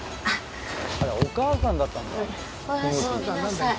あれお母さんだったんだ。